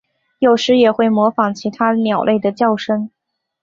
有时也会模仿其他鸟类的叫声。